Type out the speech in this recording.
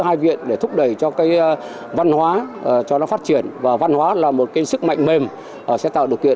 hai viện để thúc đẩy cho văn hóa phát triển và văn hóa là một sức mạnh mềm sẽ tạo được kiện